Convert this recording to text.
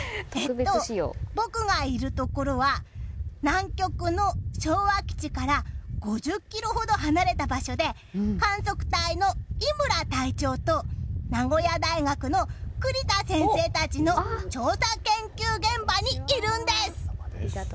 僕がいるところは南極の昭和基地から５０ｋｍほど離れた場所で観測隊の伊村隊長と名古屋大学の栗田先生たちの調査・研究現場にいるんです。